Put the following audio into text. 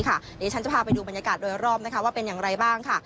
เดี๋ยวฉันจะพาไปดูบรรยากาศโดยรอบว่าเป็นอย่างไรบ้างค่ะ